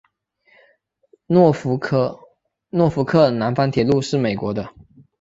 诺福克南方铁路是美国的。